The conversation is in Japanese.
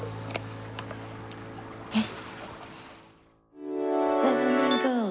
よし。